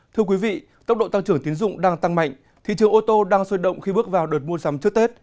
thưa quý vị tốc độ tăng trưởng tiến dụng đang tăng mạnh thị trường ô tô đang sôi động khi bước vào đợt mua sắm trước tết